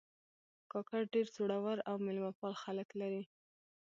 کاکړ ډېر زړور او میلمهپال خلک لري.